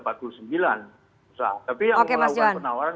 tapi yang melakukan penawaran